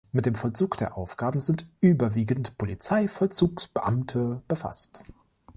Mit dem Vollzug der Aufgaben sind überwiegend Polizeivollzugsbeamte befasst.